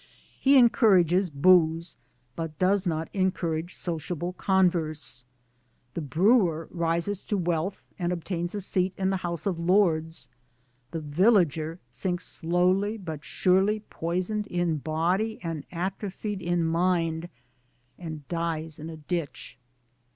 He encourages booze but does not encourage sociable converse. The Brewer rises to wealth and obtains a seat in the House of Lords ; the villager sinks slowly but surely poisoned in body and atrophied in mind, and dies in a ditch.